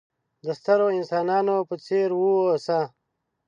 د سترو انسانانو په څېر وه اوسه!